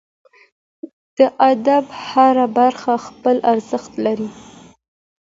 د ادب هره برخه خپل ارزښت لري.